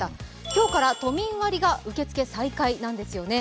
今日から都民割が受付再開なんですよね。